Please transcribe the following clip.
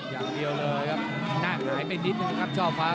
อย่างเดียวเลยครับหน้าหงายไปนิดนึงครับช่อฟ้า